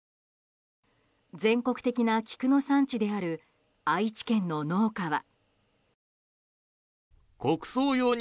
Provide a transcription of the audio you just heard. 全国的な菊の産地である愛知県の農家は。